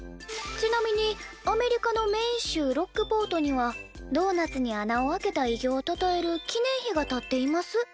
ちなみにアメリカのメイン州ロックポートにはドーナツに穴を開けた偉業をたたえる記念碑が立っています」